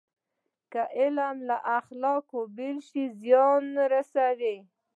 که علم له اخلاقو بېل شي، زیان رسوي.